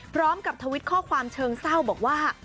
พร้อมกับทวิตข้อความเชิงเศร้าบอกว่า